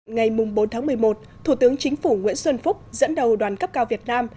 ngày bốn tháng một mươi một thủ tướng chính phủ nguyễn xuân phúc dẫn đầu đoàn cấp cao việt nam